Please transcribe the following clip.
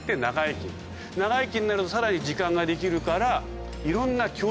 長生きになるとさらに時間ができるからいろんな。